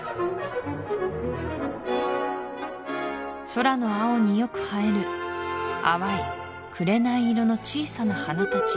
空の青によく映える淡い紅色の小さな花たち